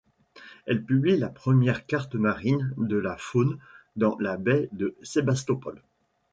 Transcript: Elle publie la première carte-marine de la faune dans la baie de Sébastopol.